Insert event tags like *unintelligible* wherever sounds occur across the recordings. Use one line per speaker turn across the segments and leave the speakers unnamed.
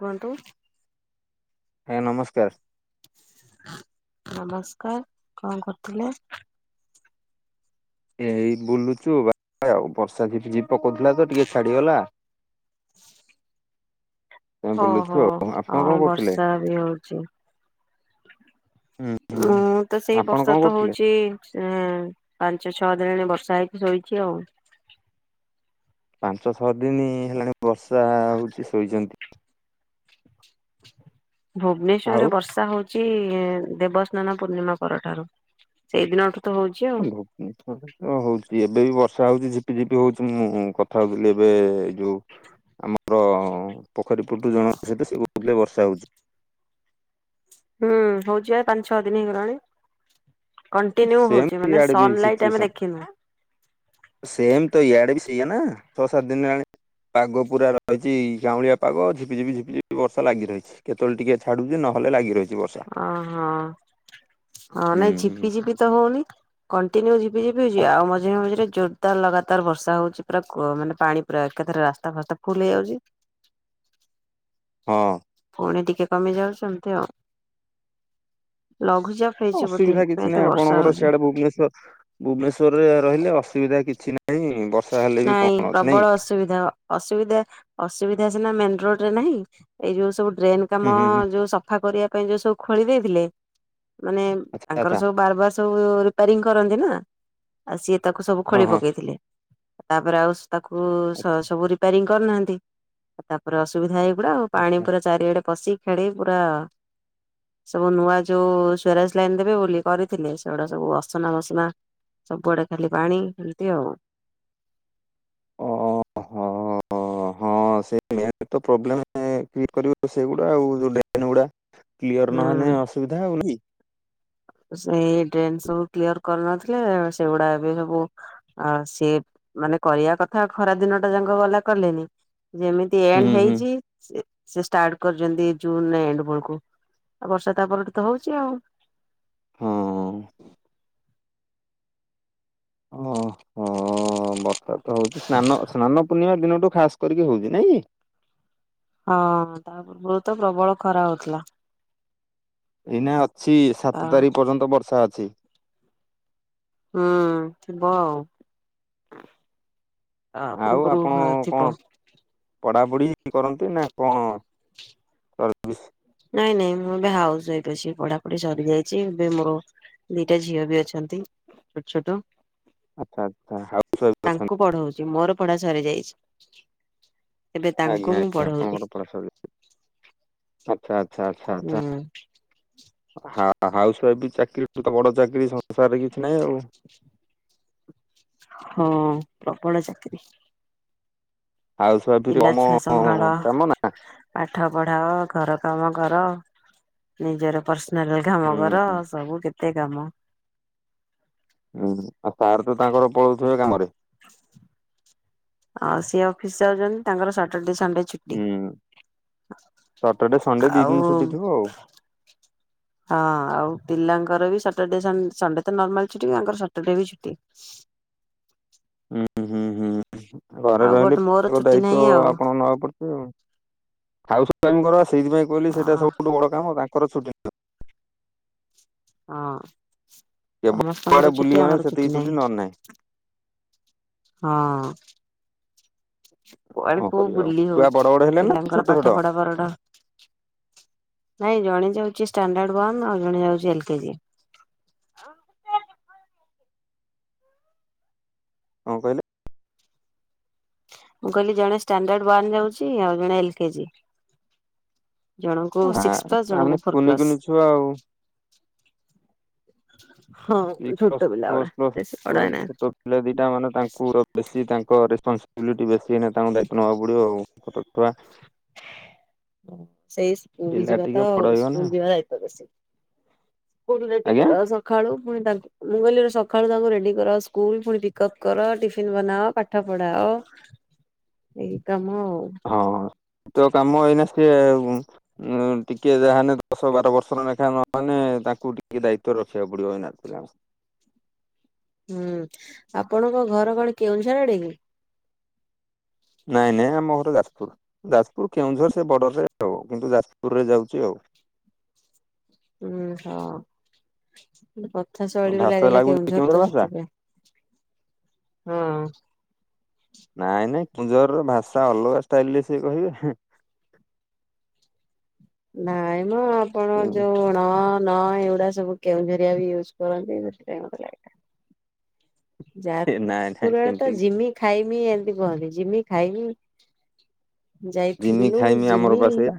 କୁହନ୍ତୁ।
ଆଜ୍ଞା ନମସ୍କାର।
ନମସ୍କାର କଣ କରୁଥିଲେ?
ଏଇ ବୁଲୁଚୁ ବା ଆଉ ବର୍ଷା ପକଉଥିଲା ତ ଟିକେ ଛାଡିଗଲା। ଆମେ ବୁଲୁଛୁ
ଓହୋ
ଆଉ ଆପଣ
ହ
କଣ କରୁଥିଲେ?
ବର୍ଷା ବି ହଉଛି।
ହୁଁ ହୁଁ
ହଁ ତ ସେଇ
ଆପଣ
ବର୍ଷା
କଣ
ତ
କରୁଥିଲେ?
ହଉଛି। ପାଞ୍ଚ ଛଅ ଦିନଣି ବର୍ଷା ହେଇକି ଶୋଇଛି ଆଉ।
ପାଞ୍ଚ ଛଅ ଦିନ ହେଲାଣି ବର୍ଷା ହଉଛି ଶୋଇଛନ୍ତି। ଆଉ
ଭୁବନେଶ୍ଵରରେ ବର୍ଷା ହଉଛି। ଦେବସ୍ନାନ ପୂର୍ଣ୍ଣିମା ପରଠାରୁ ସେଇଦିନଠୁ ତ ହଉଛି। ଆଉ
*unintelligible* ହଉଛି ଏବେ ବି ବର୍ଷା ହଉଛି ଝିପି ଝିପି ହଉଛି ମୁଁ କଥା ହଉଥିଲି ଏବେ ଏଇ ଯୋଉ ଆମର ପୋଖରୀ ପଟରୁ ଜଣ ସତ ସେବୁ ବର୍ଷା ହଉଛି।
ହୁଁ ହଉଛି ଏ ପାଞ୍ଚ ଛଅ ଦିନ ହେଇଗଲାଣି। କଣ୍ଟିନ୍ୟୁ
ସେମ
ହଉଛି ମାନେ
ଇଆଡେ ବି
ସନଲାଇଟ ଆମେ
ସିଚୁଏସନ
ଦେଖିନୁ।
ସେମ ତ ଇଆଡେ ବି ସେଇଆ ନା ଛଅ ସାତ ଦିନେ ହେଲାନି। ପାଗ ପୁରା ରହିଛି ଗାଉଁଳିଆ ପାଗ ଝିପିଝିପ ଝିପିଝି ବର୍ଷା ଲାଗି ରହିଛି। କେତେବେଳେ ଟିକେ ଛାଡୁଛି ନହଲେ ଲାଗି ରହିଛି ବ।
ଓହୋ ହଁ
ହୁଁ
ନାଇଁ
ହୁଁ।
ଝିପି ଝିପି ତ ହଉନି କଣ୍ଟିନ୍ୟୁ। ଝିପି ଝିପି ହଉଛି ଆଉ ମଝିରେ ମଝିରେ ଯୋ। ଲଗାତାର ବର୍ଷା ହଉଛି ପୁରା ମାନେ ପାଣି ପୁରା ଏକାଥରେ ରାସ୍ତା ଫାସ୍ତା ଫୁଲ ହେଇଯାଉଛି।
ହଁ।
ପୁଣି ଟିକେ କମି ଯାଉଛନ୍ତି ଆଉ ଲଘୁଚାପ। ହେଇଛି ବୋଧେ
ଅସୁବିଧା
ସେଥିପାଇଁ
କିଛି
ଏତେ
ନାହିଁ
ବର୍ଷା
ଆପଣଙ୍କର
ହଉଛି।
ସିଆଡେ ଭୁବନେଶ୍ଵର। ଭୁବନେଶ୍ଵରରେ ରହିଲେ ଅସୁବିଧା କିଛି ନାହିଁ ବର୍ଷା ହେଲେ ବି କଣ ଅଛି ନାଇଁ।
ଅସବିଧା ଅସୁବିଧା ଅସୁବିଧା ସିନା ମେୋଡ ରେ ନାହିଁ ଏଇ ଯୋଉ ସବୁ ଡ୍ରେନ।
ହୁଁ
କାମ
ହୁଁ ହୁଁ।
ଯୋଉ ସଫା କରିବା ପାଇଁ ଯୋଉ ସବୁ ଖୋଳି ଦେଇଥିଲେ ମାନେ
ଆଚ୍ଛା
ତାଙ୍କର
ଆଚ୍ଛା
ସବୁ ବାରବାର ସବୁ ରିପୋରିଂ କରନ୍ତି ନା ଆଉ ସିଏ ତାକୁ ସବୁ
ହଁ
ଖୋଳି
ହଁ
ପକେଇଥିଲେ। ତାପରେ ଆଉ ତାକୁ
ଆଚ୍ଛା
ସବୁ ରିପୋରିଂ କରୁନାହାନ୍ତିଉ ତାପ ପୁରା ଅସୁବିଧା ହେଇଗୁଡା ଆଉ ପାଣି
ଆଚ୍ଛା
ପୁରା ଚାରିଆଡେ ପଶି ଖେଳି ପୁରା। ସବୁ ନୂଆ ଯୋଉ ସ୍ଵରାଜ ଲାଇନ ଦେବେ ବୋଲି କରିଥିଲେ ସେଗୁଡା ସବୁ ଅସନା ମସନା। ସବୁଆଡେ ଖାଲି ପାଣି କମୀତି ଆଉ।
ଓହୋ ହୋ ହୋ। ହ ହଁ ସେ ପ୍ରୋବ୍ଲେମ ସେଗୁଡା ଆଉ ଯୋ ଗୁଡା କ୍ୟର
ହୁଁ
ନହେଲେ ଅସୁବିଧା ହଉନି।
ସେଇ ଡ୍ରେନ୍ ସବୁ କ୍ଲିୟର କରିନଥିଲେ ସେଗୁଡା ଏବେ ସବୁ। ଆଉ ସିଏ ମାନେ କରିବା କଥା ଖରା ଦିନ ଟା ଯାକ ଗଲା କଲେନି ଯେମିତି। ତେନ୍
ହୁଁ ହୁଁ।
ହେଇଛି। ସେ ସେ ଷ୍ଟାର୍ଟ କରିଛନ୍ତି ଜୁନ ଏଣ୍ଡ ବେଳକୁ ଆଉ ବର୍ଷା ତାପରେ ତ ହଉଛି ଆଉ।
ହଁ। ଓ ହୋ ବର୍ଷା ତ ହଉଛି ସ୍ନାନ ସ୍ନାନ ପୂର୍ଣ୍ଣିମା ଦିନଠୁ ଖାଷ୍ଟ। ଗରମ ହଉଛି ନାଇଁ?
ହଁ ବହୁତ ପ୍ରବଳ ଖରା ହଉଥିଲା।
ଏଇନା ଅଛି
ତା
ସାତ ତାରିଖ ପର୍ଯ୍ୟନ୍ତ ବର୍ଷା ଅଛି।
ହୁଁ ଥିବ ଆଉ। ତା
ଆଉ
ପରକୁ ପର
ଆପଣ
ହଁ
କଣ
ଥିବ।
ପଢାପଢି କରନ୍ତି ନା କଣ କରନ୍ତି?
ନାଇଁ ନାଇଁ ମୁଁ ଏବେ ହାଉସ୍ ୱାଇଫ୍ ଅଛି। ପଢାପଢି ସରିଯାଇଛି। ଏବେ ମୋର ଦିଟା ଝିଅ ବି ଅଛନ୍ତି ଛୋଟ ଛୋଟ।
ଆଚ୍ଛା ଆଚ୍ଛା ହାଉସ ୱାଇଫ ଅଛନ୍ତି
ତାଙ୍କୁ ପଢଉଛି। ମୋର ପଢା ସରିଯାଇଛି। ଏବେ
ଆଜ୍ଞା
ତାଙ୍କୁ ମୁଁ
ଆଜ୍ଞା
ପଢଉଛି।
ଆପଣଙ୍କର ପଢା ସରିଲା। ଆଚ୍ଛା ଆଚ୍ଛା ଆଚ୍ଛା
ହୁଁ
ଆଚ୍ଛା। ହଁ ହାଉସ ୱାଇଫ୍ ଚାକିରିଠୁ ତ ବଡ ଚାକିରୀ ସଂସାରରେ କିଛି ନାହିଁ ଆଉ।
ହଁ ପ୍ରବଳ ଚାକିରି।
ହାଉସ ୱାଇଫ ରେ
ପିଲା
କମ
ଛୁଆ ସମ୍ଭାଳ
କାମ ନା
ପାଠ ପଢାଅ ଘର କାମ କର ନିଜର ପର୍ସନାଲ କାମ କର।
ହୁଁ।
ସବୁ କେତେ କାମ।
ହୁଁ ଆଉ ସାର୍ ତ ତାଙ୍କର ପାଲଉଥିବେ କାମରେ।
ଆଉ ସିଏ ଅଫିସ ଯାଉଛନ୍ତି। ତାଙ୍କର ସଟରଡେ, ସନଡେ ଛୁଟି।
ହୁଁ। ସଟରଡେ ସଣ୍ଡେ ଦି ଦିନ
ଆଉ
ଛୁଟି ଥିବ ଆଉ
ହଁ ଆଉ ପିଲାଙ୍କର ବି ସଟରଡେ ସ ସଣ୍ଡେ ତ ନର୍ମାଲ ଛୁଟି ତାଙ୍କର ସଟରଡେ ବି ଛୁଟି।
ହୁଁ ହୁଁ ହୁଁ, ଘରେ
ଆଉ ବଟ୍
ରହିଲେ
ମୋର
ପିଲାଙ୍କ
ଛୁଟି
ଦାୟିତ୍ୱ
ନାହିଁ ଆଉ
ଆପଣଙ୍କୁ ନବାକୁ ପଡୁଥିବ। ହାଉସ୍ ୱାଇଫ୍ ଙ୍କର ସେଇଥିପାଇଁ କହିଲି
ହଁ
ସେଇଟା ସବୁଠୁ ବଡ କାମ। ତାଙ୍କର ଛୁଟି ନହିଁ।
ହଁ
କେବଳ କୁଆଡେ
ସମସ୍ତଙ୍କର ଛୁଟି
ବୁଲିଗଲେ
ଆମର
ସେତିକି
ଛୁଟି ନାହିଁ।
ନହେଲେ
ହଁ। କୁଆଡେ
କଣ
କୋଉ
କରିବା ଆଉ ଛୁଆ
ବୁଲିହୋଉଛି।
ବଡ ବଡ ହେଲେ ନା
ପିଲାଙ୍କର
ଛୋଟ ଛୋଟ
ପାଠ ପଢା ପରଠୁ ନାଇଁ ଜଣେ ଯାଉଛି ଷ୍ଟାଣ୍ଡାର୍ଡ ୱାନ। ଆଉ ଜଣେ ଯାଉଛି ଏଲ କେ ଜି।
କଣ କହିଲେ?
ମୁଁ କହିଲି ଜଣେ ଷ୍ଟାଣ୍ଡାର୍ଡ ୱାନ ଯାଉଛି। ଆଉ ଜଣେ ଏଲ୍ କେ ଜି। ଜଣଙ୍କୁ
ଆ
ସିକ୍ସ ପ୍ଳସ।
ତାମାନେ
ଜଣକୁ ଫୋର
କୁନି
ପ୍ଲସ।
କୁନି ଛୁଆ ଆଉ
ହଁ
ସିକ୍ସ
ଛୋଟ ପିଲା ଗୁଡା।
ପ୍ଲସ୍ ଫୋର୍
ବେଶି ବଡ
ପ୍ଲସ୍ ଛୋଟ
ହେଇନାହାନ୍ତି।
ପିଲା ଦିଇଟା ମାନେ ତାଙ୍କୁ ବେଶୀ ତାଙ୍କ ରେସପନସିବିଲିଟି ବେଶୀ ଏନା ତାଙ୍କୁ ଦାୟିତ୍ୱ ନେବାକୁ ପଡ଼ିବ ଆଉ। ଛୋଟଛୁଆ।
ସେଇ ପୁରୀ
ପିଲା
ଯିବା
ଟିକେ
ତ
ବଡ ହେଇଗଲେ
ସ୍କୁଲ ଯିବା ଦାୟିତ୍ୱ ବେଶୀ। ସ୍କୁଲ ରେଡି
ଆଜ୍ଞା
କର ଶ କାଳୁ ପୁଣି ତା ମୁଁ କହିଲି ରେ ସକାଳୁ ତାଙ୍କୁ ରେଡି କର ସ୍କୁଲ। ପୁଣି ପିକଅପ୍ କର, ଟିଫିନ ବନାଅ, ପାଠ ପଢାଅ ଏଇ କାମ ଆଉ।
ହଁ ହଁ ତ କାମ ଏଇନା ସିଏ ଉଁ ଟିକେ ଯାହାନେ ଦଶ ବାର ବର୍ଷର ଲେଖା ନହେନେ ତାଙ୍କୁ ଟିକେ ଦାୟିତ୍ଵ ରଖିବାକୁ ପଡିବ ଏଇନା। ପିଲାଙ୍କ ସ
ହୁଁ ଆପଣଙ୍କ ଘର କଣ କେଉଁଝର ଆଡେ କି?
ନାଇଁ ନାଇଁ ଆମ ଘର ଯାଜପୁର ଯାଜପୁର କେଉଁଝର ସେ ବର୍ଡର ରେ ଆଉ କିନ୍ତୁ ଯାଜପୁରରେ ଯାଉଛି ଆଉ।
ହୁଁ ହୋଉ। କଥା ଶୈଳୀରୁ
ଭାଷା
ଲାଗିଲା
ଲାଗୁଛି
କେଉଁଝର ତ
ଭାଷା
ସେଥିପାଇଁ ହଁ।
ନାଇଁ ନାଇଁ କେଉଁଝରର ଭାଷା ଅଲଗା ଷ୍ଟାଇଲରେ ସେ କହିବେ।
ନାଇଁମ ଆପଣ ଯୋଉ ନ ନ ଏଗୁଡା ସବୁ କେଉଁଝରିଆ ବି ୟୁଜ୍ କରନ୍ତି ସେଥିପାଇଁ ମତେ ଲାଗିଲା।
ଏ ନାଇଁ ନାଇଁ
ଯାଜପୁର ଆଡେ
ସେମିତି କିଛି ନାହିଁ।
ଜିମି, ଖାଇମି ଏମିତି କୁହନ୍ତି। ଜିମି ଖାଇମି।
ଜିମି
ଯାଇଥିଲୁ,
ଖାଇମି ଆମର
ଜିମି।
ପା ସେଇଆ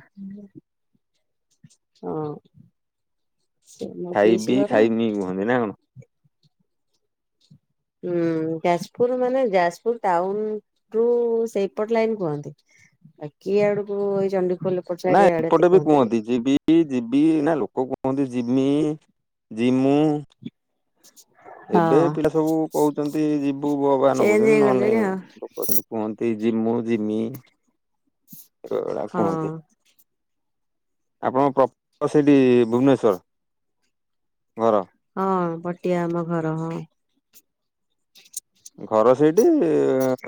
ହଁ ସେ ମୋ ପିଇସି ଘର।
ହୁଁ ନା କଣ।
ଉଁ ଯାଜପୁର ମାନେ ଯାଜପୁର ଟାଉନ ରୁ ସେଇପଟ ଲାଇନ କୁହନ୍ତି। ଆ କିଏ ଆଡକୁ ଏଇ ଚଣ୍ଡିଖୋଲ ଏପଟ ସାଇଡ୍
ନାଇଁ
ଆଡେ ଏତେ
ଏପଟେ ବି
କୁହନ୍ତିନି।
କୁହନ୍ତି ଯିବି ଯିବି ନା ଲୋକ କୁହନ୍ତି ଜିମି ଜିମୁ ଏବେ
ହଁ
ପିଲା ସବୁ କହୁଛନ୍ତି ଯିବୁ ବୋ ବା
ଚେଞ୍ଜ
ନଗୋଉଛନ୍ତି ନହେଲେ
ହେଇଗଲେଣି ଆଉ
କହୁଚନ୍ତି କୁହନ୍ତି ଜିମୁ ଜିମି ଏ ଭଳିଆ
ହଁ।
କୁହନ୍ତି। ଆପଣଙ୍କ ପ୍ରପର ସେଇଠି ଭୁବନେଶ୍ୱର ଘର
ହଁ ପଟିଆ ଆମ ଘର ହଁ
ଘର ସେଇଠି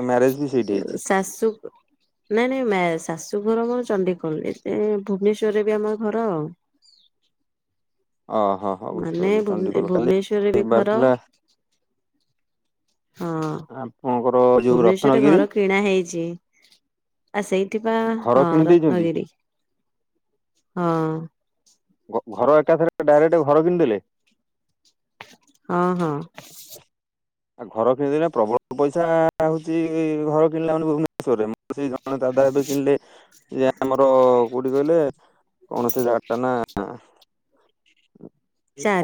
ମ୍ୟାରେଜ୍ ବି ସେଇଠି ହେଇଛି।
ଶାଶୁ ନାଇଁ ନାଇଁ ମ୍ୟା ଶାଶୁଘର ମୋର ଚଣ୍ଡିଖୋଲ ଏ ଭୁବନେଶ୍ଵରରେ ବି ଆମ ଘର ଆଉ
ଓହୋ ହୋ
ମାନେ
ବୁଝିପାରିଲି ଚଣ୍ଡିଖୋଲ କାଲି
ଭୁବନେଶ୍ୱରରେ ବି
ଯିବାର
ଘର
ଥିଲା
ହଁ
ଆପଣଙ୍କର ଯୋଉ
ଭୁବନେଶ୍ୱରରେ
ରତ୍ନଗିରି
ଘର କିଣା ହେଇଛି। ଆ ସେଇଠି
ଘର
ହଁ
କିଣି ଦେଇଛନ୍ତି
ରତ୍ନଗିରି ହଁ।
ଘର ଏକାଥରେ ଡାଇରେକ୍ଟ ଘର କିଣିଦେଲେ।
ଅଁ ହଁ।
ଆଉ ଘର କିଣିଦେଲେ ପ୍ରବଳ ପଇସା ହଉଛି ଘର କିଣିଲା ମାନେ ଭୁବନେଶ୍ୱରରେ। ଶ୍ୱରରେ ସେଇ ଜଣେ ଦାଦା ଏବେ କିଣିଲେ ଯେ ଆମର କୋଉଠି କହିଲେ? କଣ ସେ ଜାଗା ଟା ନା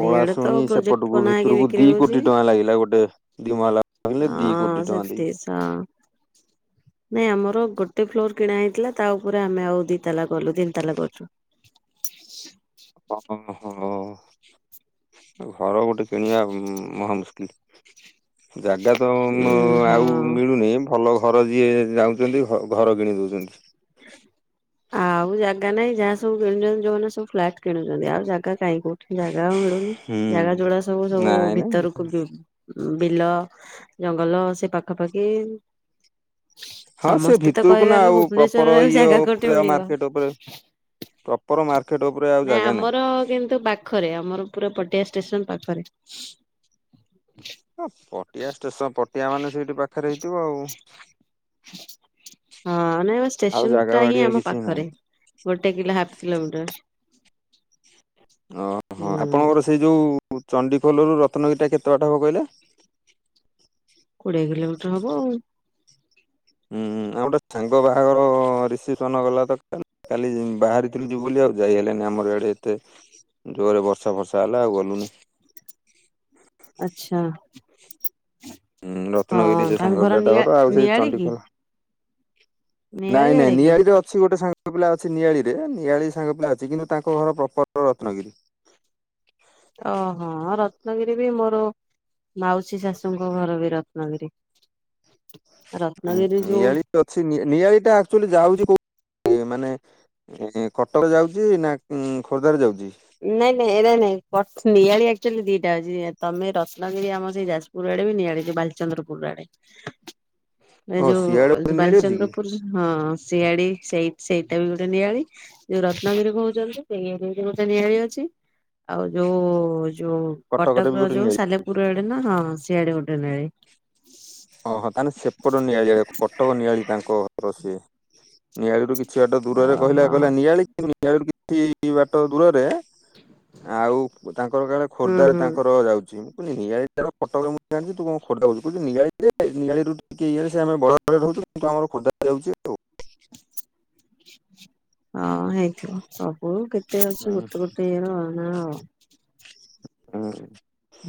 ପଳା
ତ
ଶୁଣି
ପ୍ରୋଜେକ୍ଟ
ସେପଟକୁ
ବନା ହେଇକି
ଭିତରକୁ
ବିକ୍ରି
ଦି
ହଉଛି।
କୋଟି ଟଙ୍କା ଲାଗିଲା ଗୋଟେ ଦି ମହଲା କହିଲେ ଦି କୋଟି
ଏ
ଟଙ୍କା ଦେଇକି।
ସେତିଶ ନାଇଁ ଆମର ଗୋଟେ ଫ୍ଲୋର କିଣା ହେଇଥିଲା ତା ଉପରେ ଆମେ ଆଉ ଦି ତାଲା ଗଲୁ ତିନି ତାଲା କରୁଛୁ
ହଁ ହୋ *unintelligible* ଘର ଗୋଟେ କିଣିବା ମହା ମୁସ୍କିଲ୍ ଜାଗା ତ
ଉଁ ହଁ।
ଆଉ ମିଳୁନି ଭଲ ଘର ଯିଏ ଯାଉଛନ୍ତି ଘର କିଣି ଦୋଉଛନ୍ତି।
ଆ ଆଉ ଜାଗା ନାାଇଁ ଯାହା ସବୁ କିୁଛନ୍ତି ଯୋଉମାନେ ସବୁ ଫ୍ଲାଟ୍ କିଣୁଛନ୍ତି ଆଉ ଜାଗା କାଇଁ କୋଉଠି ଜାଗା ଆଉ ମିଳୁନି
ହୁଁ।
ଜାଗା ଯୋଉଟା ସବୁ ସବୁ
ନାଇଁ ନାଇଁ
ଭିତରକୁ *inaudible* ବିଲ ଜଙ୍ଗଲ ସେ ପାଖାପାଖି
ହଁ ସେ
ସମସ୍ତେ ତ
ଭିତରକୁ
କହିବେ
ନା
ଆମେ
ଆଉ ପ୍ରପର
ଭୁବନେଶ୍ଵରରେ
ଇଏ
ଜାଗା କୋଉଠି
ଉପରେ ଆ
ମିଳିବ।
ମାର୍କେଟ ଉପରେ ପ୍ର ପ୍ରପର ମାର୍କେଟ୍ ଉପରେ ଆଉ ଜାଗା ନାହିଁ।
ପାଖ କିନ୍ତୁ ବାକି ପାଖରେ ଆମର ପୁରା ପଟିଆ ଷ୍ଟେସନ ପାଖରେ
ହ ପଟିଆ ଷ୍ଟେସନ ପଟିଆ ମାନେ ସେଇଠି ପାଖରେ ହେଇଥିବ ଆଉ
ହଁ ନାଇ
ଆଉ
ଷ୍ଟେସନ
ଜାଗା
ଟା ହିଁ
ବାଡିଆ
ଆମ
କିଛି ନାହିଁ।
ପାଖରେ ଗୋଟେ କିଲା ହାଫ୍ କିଲୋମିଟର
ଓହୋ
ହୁଁ।
ଆପଣଙ୍କର ସେଇ ଯୋଉ ଚଣ୍ଡିଖୋଲରୁ ରତ୍ନଗିରିଟା କେତେ ବାଟା ହବ କହିଲେ?
କୋଡି଼ଏ କିଲୋମିଟର ହବ ଆଉ।
ହୁଁ ହୁଁ ଆଉ ଗୋଟେ ସାଙ୍ଗ ବାହାଘର ରିସେପ୍ସନ ଗଲା ତ କାଲି କାଲି ବାହାରିଥିଲୁ ଯିବୁ ବୋଲି ଆଉ ଯାଇ ହେଲୋନି ଆମର ଏଆଡେ ଏତେ ଜୋରରେ ବର୍ଷା ବର୍ଷା ହେଲା ଆଉ ଗଲୁ ନିଜ।
ଆଚ୍ଛା।
ହୁଁ
ହଁ
ରତ୍ନଗିରି ସେ
ତାଙ୍କ
ସାଙ୍ଗ ପିଲାଟ
ନିଆ
ଘର ଆଉ ସେଇ
ନିଆଳି କି
ଚଣ୍ଡିଖୋଲ
ନିଆଳି
ନାଇଁ ନାଇଁ
ଆଡେ କି?
ନିଆଳିରେ ଅଛି ଗୋଟେ ସାଙ୍ଗ ସାଙ୍ଗ ପିଲା ଅଛି ନିଆଳି ରେ ନିଆଳିରେ ସାଙ୍ଗ ପିଲା ଅଛି କିନ୍ତୁ ତାଙ୍କ ଘର ପ୍ରପର ରତ୍ନଗିରି।
ଓହୋ ରତ୍ନଗିରି ବି ମୋର ମାଉସୀ ଶାଶୁଙ୍କ ଘର ବି ରତ୍ନଗିରି। *unintelligible* ରତ୍ନଗିରି ଯୋଉ
ନିଆଳି ବି ଅଛି ନିଆଳି ଟା ଆକ୍ଚୁଆଲି ଯାଉଛି କୋଉ ମାନେ ଏ କଟକ ଯାଉଛି ନା ଖୋର୍ଦ୍ଧାରେ ଯାଉଛି?
ନାଇଁ ନାଇଁ ଏରା ନାଇଁ କଟ ନିଆଳି ଆକ୍ଚୁଆଲି ଦିଟା ଅଛି ତମେ ରତ୍ନଗିରି ଆମ ସେ ଯାଜପୁରୁ ପୁର ଆଡ଼େ ବି ନିଆଡେ ଯେ ବାଲଚନ୍ଦ୍ରପୁରୁ ଆଡ଼େ ଏ
ଓ
ଯୋଉ
ସିଆଡେ ଗୋଟେ ନିଆଳି ଅଛି କି
ବାଲଚନ୍ଦ୍ରପୁରୁ ହଁ ଶିଆଡି ସେଇ ସେଇଟା ବି ଗୋଟେ ନିଆଳି ଯୋଉ ରତ୍ନାଗିରି କହୁଛନ୍ତି ସେଇଆେ ନିଆଳି ଅଛି ଆଉ ଯୋଉ ଯୋଉ
କଟକରେ ବି
କଟକର
ଗୋଟେ ନିଆଳି
ଯୋଉ ସାଲେପୁରୁ ପୁରା ଆଡେ ନା ହଁ ସିଆଡେ ଗୋଟେ ନୀଆଳି।
ଓହୋ ତାହେଲେ ସେପଟ ନିଆଳି କଟକ ନିଆଳି ତାଙ୍କ ସି ନିଆଳିରୁୁ କିଛି ବାଟ ଦୂରରେ କହିଲା
ଓହୋ
କହିଲା ନିଆଳି *unintelligible* କିଛି ବାଟ ଦୂରରେ ଆଉ ତାଙ୍କର କାଳେ
ହୁଁ
ଖୋର୍ଦ୍ଧରେ
ହୁଁ
ତାଙ୍କର ଯାଉଛି ମୁଁ ନିଆଳି- ଫଟ ମୁଁ ଜାଣିଛି ତୁ କଣ କଥା କହୁଛୁ ନିଆଳି ଏ ନିଆଳି ରୁଟି କେ ଇଆସ ଆମେ ରହୁ କିନ୍ତୁ ଆମର ଖୋର୍ଦ୍ଧାରେ ଯାଉଛି ଆଉ।
ହଁ ହେଇଥିବ ସବୁ କେତେ ଅଛି
ହୁଁ,
ଗୋଟେ ଗୋଟେ ଇଏର ନା ଆଉ।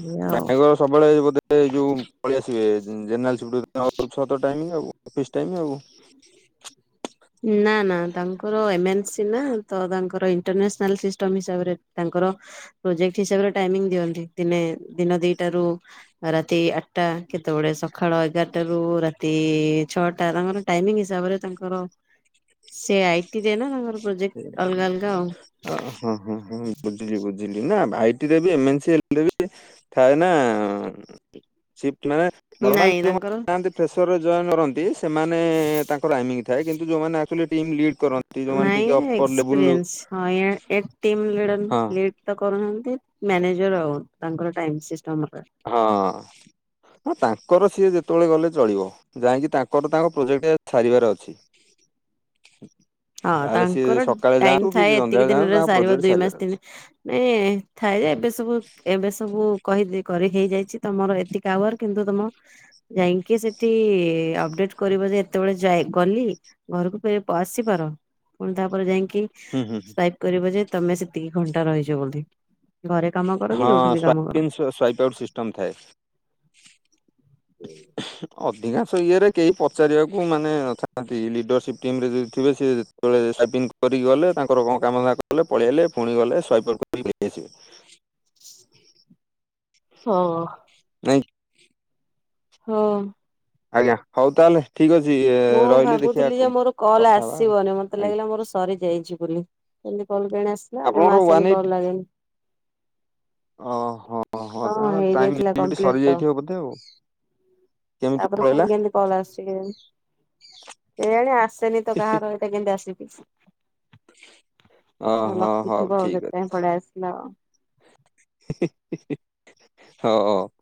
ଏଇଆ ଆଉ
ନାଇବ ସବୁବେଳେ ବୋଧେ ଯୋଉ ପଳେଇ ଆସିବେ ଜେନେରାଲ। ସେ *unintelligible* ଛତ ଟାଇମି ଆବ ଅଫିସ୍ ଟାଇମ ଆଉ
ନା ନା ତାଙ୍କର ଏମନ୍ସି ନା ତ ତାଙ୍କର ଇଣ୍ଟରନ୍ୟାସନାଲ ସିଷ୍ଟମ ହିସାବରେ ତାଙ୍କର- ପ୍ରୋଜେକ୍ଟ ହିସାବରେ ଟାଇମିଂ ଦିଅନ୍ତି ଦିନେ ଦିନ ଦିଟ। ରୁ ରାତି ଆଠଟା କେତେବେଳେ ସକାଳ ଏଗାରଟା ରୁ ରାତି ଛଅଟା ତାଙ୍କର- ଟାଇମିଂ ହିସାବରେ ତାଙ୍କର ସେ ଆଇଟିରେ ନା ତାଙ୍କର ପ୍ରୋଜେକ୍ଟ ଅଲଗା ଅଲଗା ଆଉ।
ଅ ହଁ ହଁ ହ ବୁଝିଲ ବୁଝିଲି ନା ଭାଇ ଟିରେ ବି ଏ ମେନ ସ଼ ଥାଇ ନା ସିଟ୍ଲାନମାଲ
ନାଇଁ ତାଙ୍କର
ଯୋଉମାନେ ଜାଆନ୍ତି ପ୍ରେସରରେ ଜଏନ୍‌କରନ୍ତି। ସେମାନେ ତାଙ୍କର ଆାଇମିଙ୍ଗ ଥାଏ କିନ୍ତୁ ଯୋଉମାନେ ଆଚୁ ଟିମ୍ ଲିଡ୍ କରନ୍ତି ଯୋଉମାନେ ଟେ
ନାଇଁ
ଅ
ଏକ୍ସପିରିଏନ୍ସ ହଁ ଏଟିମ
ହଁ
*unintelligible* ତ କରୁନାହାନ୍ତି ମ୍ୟାନେଜର ଆଉ ତାଙ୍କର ଟାଇମ ସିଷ୍ଟମ
ହଁ ତାଙ୍କର ସିଏ ଯେତେବେଳେ ଗଲେ ଚଳିବ। ଯାଇକି ତାଙ୍କର ତାଙ୍କ ପ୍ରୋଜେକ୍ଟ ସାରିବାର ଅଛି।
ହଁ
ତାହେଲେ ସିଏ
ତାଙ୍କର
ସକାଳେ ଯାଆନ୍ତୁ
ଟାଇମ
କି
ଥାଏ ଏତିକି
ସନ୍ଧ୍ୟାବେଳେ ଯାଆନ୍ତୁ
ଦିନରେ
ତାଙ୍କ
ସାରିବ
ପ୍ରୋଜେକ୍ଟ
ଦୁଇ
ସାରିବାର
ମାସ
ଅଛି
ତିନି ନାଇଁ ଥାଏ ଯେ ଏବେ ସବୁ ଏବେ ସବୁ କହି କରି ହେଇଯାଇଛି ତମର ଏତିକି ଟାୱର କିନ୍ତୁ ତମ ଯାଇକି ସେଠି ଅପଡେଟ କରିବ ଯେ ଏତେବେଳେ ଯାଇ ଗଲି ଘରକୁ ଫେ ଆସ ପାର ପୁଣି ତାପରେ ଯାଇକି
ହୁଁ ହୁଁ।
ସ୍ୱାଇପ କରିବ ଯେ ତମେ ସେତିକି ଘଣ୍ଟା ରହିଛ ବୋଧେ।
ହଁ ସ୍ ସ୍ଵାଇପ୍ ନିସାଇଟଆଉଟ ସିଷ୍ଟମ ଥାଏ। ଅଧିକାଂଶ ଇଏରେ କେହି ପଚାରିବାକୁ ମାନେ ନଥାନ୍ତି ଲିଡରସିପ୍ ଟିମରେେ ଯଦି ଥିବେ ସେ ସେତବେଳେ ସାଇପିଂ କରିକି ଗଲେ ତାଙ୍କର କାମ *unintelligible* କଲେ ପଳେଇଆଲେ ପୁଣି ଗଲେ ସ୍ଇପର କରଆସିବେ।
ହଁ।
ନାଇ।
ହଁ।
ଆଜ୍ଞା ହଉ ତାହଲେ ଠିକ ଅଛି
ମୁଁ
ରହିଲି ଦେଖିବା
ଭାବୁଥିଲି ଯେ
କଥା ହେବା ଆଉ ଆଜ୍ଞା।
ସରି ଯାଇଛି ବୋଲି କେମିତି କଲ କେଣି ଆସିଲା ଜମା
ଆପଣଙ୍କର ୱାନ୍ ଏଇଟି
ଆସେନିକଲ ଲାଗେନି।
ଓହୋ ହୋ ତା
ହଁ
ଟାଇମ
ହେଇଯାଇଥିଲା
ଲମିଟ
କମ୍ପ୍ଲିଟ ତ
ସରିଯାଇଥିବ ବୋଧେ ଆଉ। କେମିତି
ତାପରେ
ପଳେଇଲା
ପୁଣି କେମିତି କଲ ଆସଛି କେଜାଣି। ଏଇଆଣି ଆସେନି ତ କାହାର ଏଇଟା କେମିତି ଆସିିକିଛି। ହ ଲ
ଓହୋ ହଉ ଠିକ ଅଛି
କିଥିବସେଥିପାଇଁ ପଳେଇ ଆସିଲା।
*inaudible* ହ।